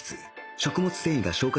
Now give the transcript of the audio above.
食物繊維が消化